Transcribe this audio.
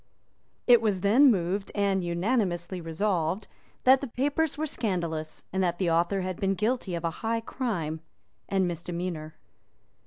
It was then moved and unanimously resolved that the papers were scandalous, and that the author had been guilty of a high crime and misdemeanour.